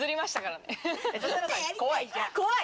怖い！